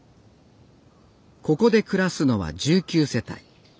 ここで暮らすのは１９世帯。